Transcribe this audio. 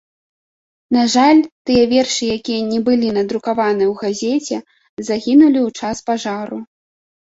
На жаль, тыя вершы, якія не былі надрукаваны ў газеце, загінулі ў час пажару.